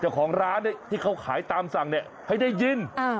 เจ้าของร้านที่เขาขายตามสั่งเนี่ยให้ได้ยิน